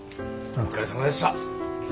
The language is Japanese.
お疲れさまでした。